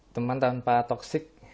teman tanpa toksik